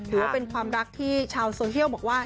ถือว่าเป็นความรักที่ชาวโซเชียลบอกว่า